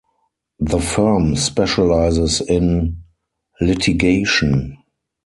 The firm specializes in litigation.